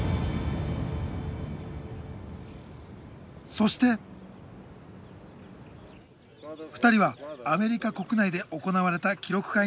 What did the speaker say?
そして２人はアメリカ国内で行われた記録会に臨みました。